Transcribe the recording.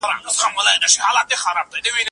د پردیو د جنګ اور ته به لا څومره بچي بیا یو